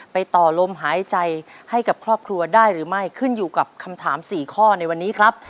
ต่อลมหายใจให้กับครอบครัวได้หรือไม่ขึ้นอยู่กับคำถาม๔ข้อในวันนี้ครับ